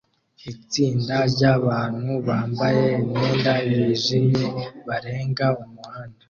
Itsinda ryabantu bambaye imyenda yijimye barenga umuhanda